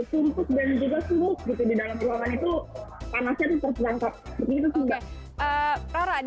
sumpit dan juga sumpit gitu di dalam ruangan itu panasnya itu tersangkap